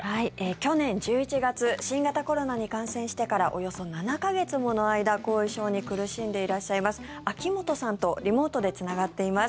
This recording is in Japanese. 去年１１月新型コロナに感染してからおよそ７か月もの間、後遺症に苦しんでいらっしゃいます秋本さんとリモートでつながっています。